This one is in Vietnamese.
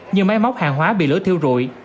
như máy móc hàng hóa bị lửa thiêu rùi